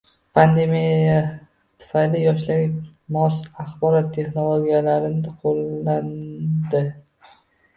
Pandemiya tufayli yoshlarga mos axborot texnologiyalarini qoʻllandi